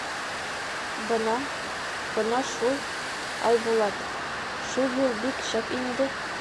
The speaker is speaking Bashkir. — Бына, бына шул, Айбулат, шул юл бик шәп инде.